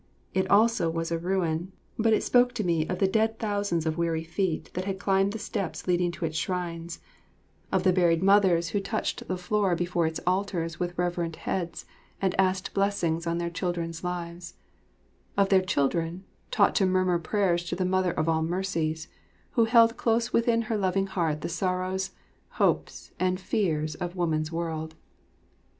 It also was a ruin, but it spoke to me of the dead thousands of weary feet that had climbed the steps leading to its shrines; of the buried mothers who touched the floor before its altars with reverent heads and asked blessings on their children's lives; of their children, taught to murmur prayers to the Mother of all Mercies, who held close within her loving heart the sorrows, hopes, and fears of woman's world.